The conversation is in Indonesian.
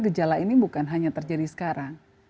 gejala ini bukan hanya terjadi sekarang